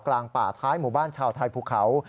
กลางป่าท้ายหมู่บ้านชาวไทยภูเขา